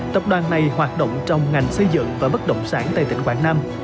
tập đoàn này hoạt động trong ngành xây dựng và bất động sản tại tỉnh quảng nam